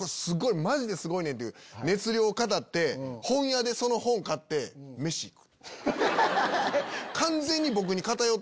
マジですごいねん！っていう熱量を語って本屋でその本買って飯行く。